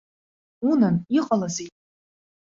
Унан, иҟалазеи?!